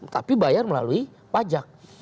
tapi bayar melalui pajak